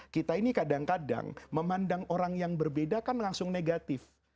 kita ini kadang kadang memandang orang yang berbeda kan langsung negatif